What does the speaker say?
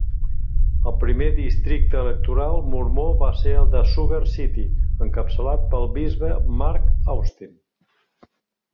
El primer districte electoral mormó va ser el de Sugar City, encapçalat pel bisbe Mark Austin.